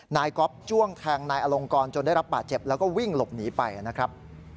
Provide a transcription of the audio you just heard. ก๊อฟจ้วงแทงนายอลงกรจนได้รับบาดเจ็บแล้วก็วิ่งหลบหนีไปนะครับ